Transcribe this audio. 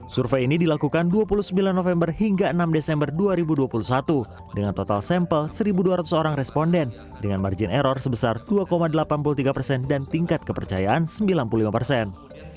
survei ini dilakukan dua puluh sembilan november hingga enam desember dua ribu dua puluh satu dengan total sampel satu dua ratus orang responden dengan margin error sebesar dua delapan puluh tiga persen dan tingkat kepercayaan sembilan puluh lima persen